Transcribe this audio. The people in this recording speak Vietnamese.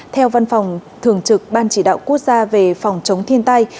theo văn phòng thường trực ban chỉ đạo quốc gia về phòng chống thiên tai